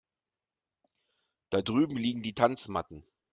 Da drüben liegen die Tanzmatten.